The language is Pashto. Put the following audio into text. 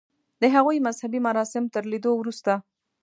د هغوی مذهبي مراسم تر لیدو وروسته.